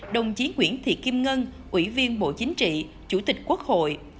đồng chí nguyễn thị kim ngân ủy viên bộ chính trị chủ tịch quốc hội